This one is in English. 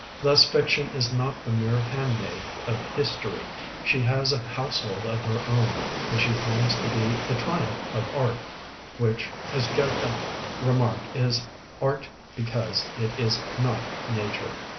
Thus Fiction is not the mere handmaid of History: she has a household of her own, and she claims to be the triumph of Art, which, as Goethe remarked, is "Art because it is not Nature."